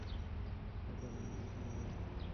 অসাধারণ, অসাধারণ!